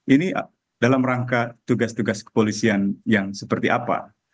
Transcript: ini dalam rangka tugas tugas kepolisian yang seperti apa